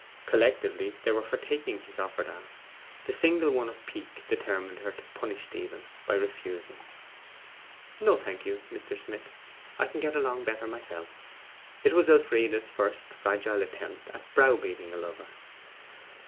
Collectively they were for taking this offered arm; the single one of pique determined her to punish Stephen by refusing. 'No, thank you, Mr. Smith; I can get along better by myself' It was Elfride's first fragile attempt at browbeating a lover.